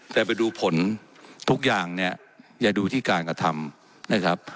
แต่ไปดูผลทุกอย่างเนี่ยอย่าดูที่การกระทำนะครับ